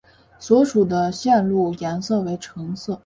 所属的线路颜色为橙色。